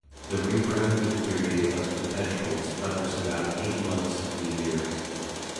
The reproductive period of the petrels covers about eight months of the year.